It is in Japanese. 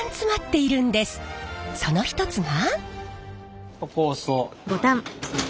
その一つが。